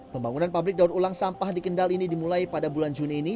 pembangunan pabrik daur ulang sampah di kendal ini dimulai pada bulan juni ini